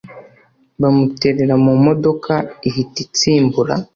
bamuterera mu modoka ihita itsimbura